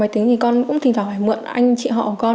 máy tính thì con cũng thỉnh thoảng phải mượn anh chị họ của con